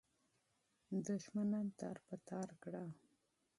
دښمنان تار په تار کړه.